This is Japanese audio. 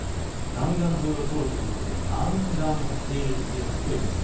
南岸沿いを通るということで南岸低気圧といいます。